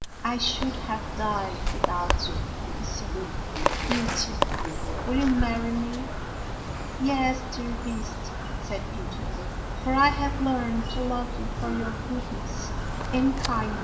" I should have died without you," he said. " Beauty, will you marry me? "" Yes, dear Beast," said Beauty, " for I have learned to love you for your goodness and kindness."